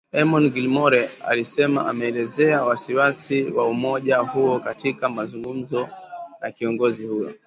Eamon Gilmore alisema ameelezea wasi-wasi wa umoja huo katika mazungumzo na kiongozi huyo